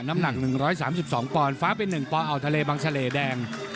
น้ำหนัก๑๓๒ปอนด์ฟ้าเป็น๑ปอนเอาทะเลบังเฉลยแดง